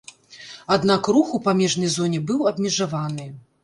Аднак рух у памежнай зоне быў абмежаваны.